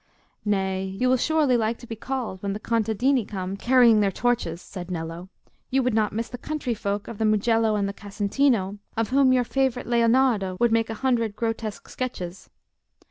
"Nay, you will surely like to be called when the contadini come carrying their torches," said Nello; "you would not miss the country folk of the Mugello and the Casentino, of whom your favourite Leonardo would make a hundred grotesque sketches."